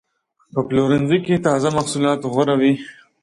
په پلورنځي کې تازه محصولات غوره وي.